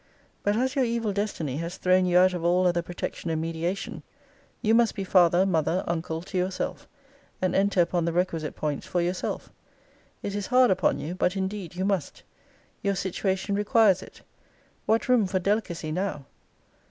But as your evil destiny has thrown you out of all other protection and mediation, you must be father, mother, uncle, to yourself; and enter upon the requisite points for yourself. It is hard upon you; but indeed you must. Your situation requires it. What room for delicacy now?